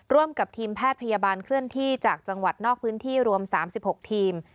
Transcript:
ร่วมกับทีมแพทย์พยาบาลเคลื่อนที่จากจังหวัดนอกพื้นที่รวม๓๖ทีม